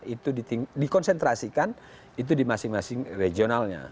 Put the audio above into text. itu dikonsentrasikan itu di masing masing regionalnya